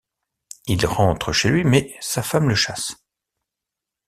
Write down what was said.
Il rentre chez lui mais sa femme le chasse.